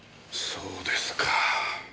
そうですか。